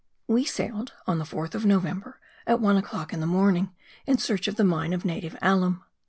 We sailed on the 4th of November, at one o'clock in the morning, in search of the mine of native alum.